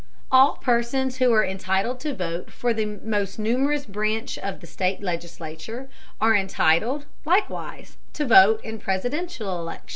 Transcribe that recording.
All persons who are entitled to vote for the most numerous branch of the state legislature are entitled, likewise, to vote in presidential elections.